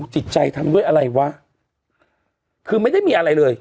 จิตใจทำด้วยอะไรวะคือไม่ได้มีอะไรเลย